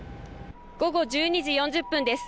午後１２時４０分です。